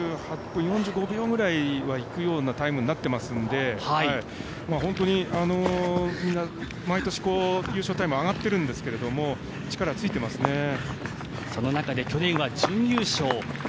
２８分４５秒ぐらいはいくようなタイムになっていますので本当に毎年、優勝タイム上がっているんですけどその中で去年は準優勝。